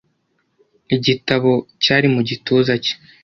Igitabo cyari mu gituza cye.